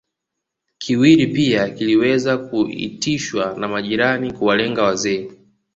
Kiwiri pia kiliweza kuitishwa na majirani kuwalenga wazee